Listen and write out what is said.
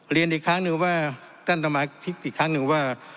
เรียนอีกครั้งหนึ่งว่าท่านสมาชิกอีกครั้งหนึ่งว่า